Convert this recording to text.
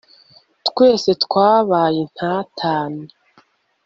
twese twabayintatane